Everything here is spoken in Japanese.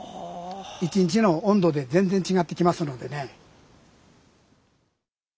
一日の温度で全然違ってきますのでね。